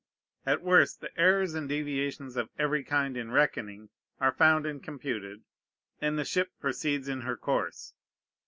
At worst, the errors and deviations of every kind in reckoning are found and computed, and the ship proceeds in her course.